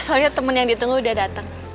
soalnya temen yang ditunggu udah dateng